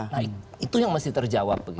nah itu yang masih terjawab